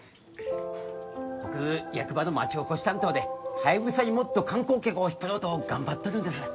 僕役場の町おこし担当でハヤブサにもっと観光客を引っ張ろうと頑張っとるんです。